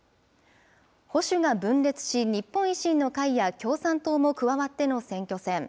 保守が分裂し、日本維新の会や共産党も加わっての選挙戦。